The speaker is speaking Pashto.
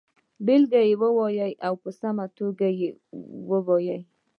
بېلګه یې ولیکئ او په سمه توګه یې ووایئ.